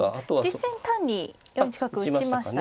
実戦単に４一角打ちましたね。